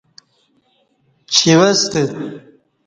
چِیوستہ